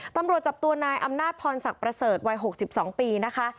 ตำรวจจับตัวนายอำนาจพรศักดิ์ประเสริฐวัย๖๒ปีนะคะ